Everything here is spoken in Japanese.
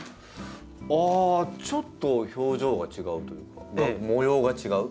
ああちょっと表情が違うというか模様が違う。